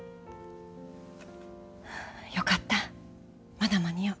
よかった、まだ間に合う。